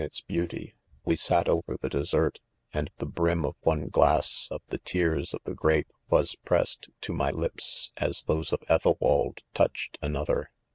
its beauty | we fiat over the dessert, and the brim of one glass of the tears of the grape was pressed to my lips as those of Ethelwaldi; ouched~ another.